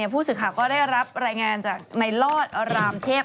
ผู้สื่อข่าวก็ได้รับรายงานจากในลอดรามเทพ